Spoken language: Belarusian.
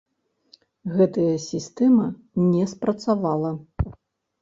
Гэтая сістэма не спрацавала.